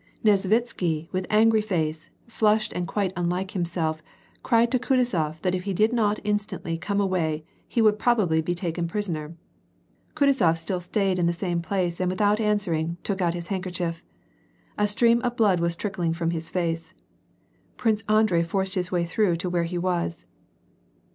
Nesvitsky with angry face, flushed and quite unlike himself, cried to Kutuzof that if he did not instantly come away, he would bo probably taken prisoner. Kutuzof still stayed in the same place and without answering, took out his handkerchief. A stream of blood was trickling from his face. Prince Andrei forced his way through to where he was.